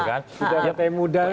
kita pemuda kan